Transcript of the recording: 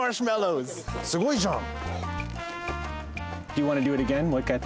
すごいじゃん！